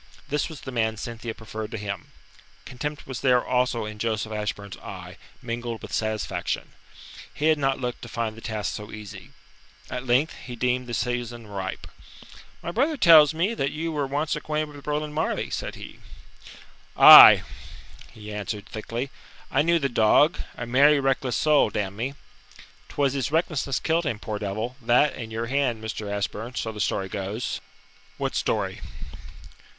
This was the man Cynthia preferred to him! Contempt was there also in Joseph Ashburn's eye, mingled with satisfaction. He had not looked to find the task so easy. At length he deemed the season ripe. "My brother tells me that you were once acquainted with Roland Marleigh," said he. "Aye," he answered thickly. "I knew the dog a merry, reckless soul, d n me. 'Twas his recklessness killed him, poor devil that and your hand, Mr. Ashburn, so the story goes." "What story?"